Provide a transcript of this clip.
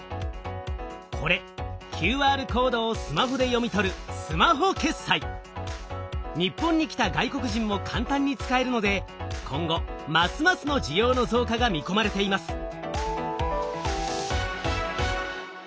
これＱＲコードをスマホで読み取る日本に来た外国人も簡単に使えるので今後ますますの需要の増加が見込まれています。